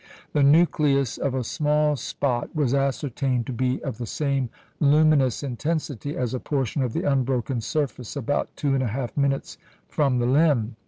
The nucleus of a small spot was ascertained to be of the same luminous intensity as a portion of the unbroken surface about two and a half minutes from the limb.